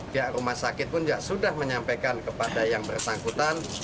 pihak rumah sakit pun juga sudah menyampaikan kepada yang bersangkutan